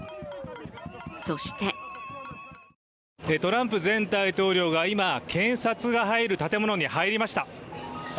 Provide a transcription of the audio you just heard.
そしてトランプ前大統領が今、検察が入る建物に入りました。